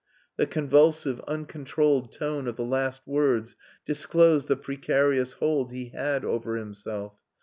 The convulsive, uncontrolled tone of the last words disclosed the precarious hold he had over himself.